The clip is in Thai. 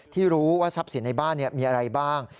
ที่รู้ว่าทรัพย์สินในบ้านมีอะไรบ้าง